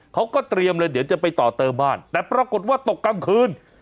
เขาก็เตรียมเลยเดี๋ยวจะไปต่อเติมบ้านแต่ปรากฏว่าตกกลางคืน